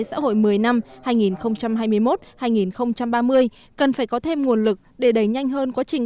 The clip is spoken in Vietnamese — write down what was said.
xã hội một mươi năm hai nghìn hai mươi một hai nghìn ba mươi cần phải có thêm nguồn lực để đẩy nhanh hơn quá trình